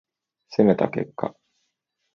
攻めた結果